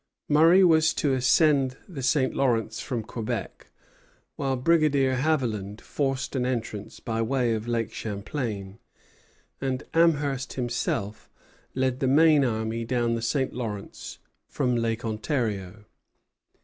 Murray was to ascend the St. Lawrence from Quebec, while Brigadier Haviland forced an entrance by way of Lake Champlain, and Amherst himself led the main army down the St. Lawrence from Lake Ontario.